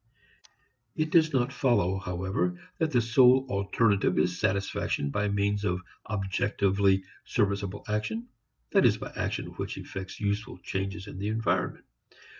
It does not follow however that the sole alternative is satisfaction by means of objectively serviceable action, that is by action which effects useful changes in the environment.